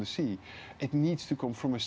harus datang dari tempat yang aman